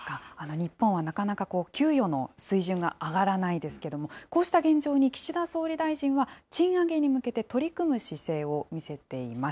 日本はなかなか給与の水準が上がらないですけれども、こうした現状に岸田総理大臣は、賃上げに向けて取り組む姿勢を見せています。